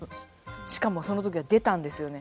しかもその時は出たんですよね。